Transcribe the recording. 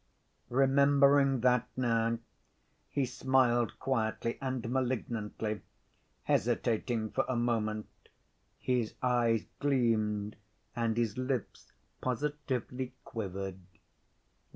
Remembering that now, he smiled quietly and malignantly, hesitating for a moment. His eyes gleamed, and his lips positively quivered.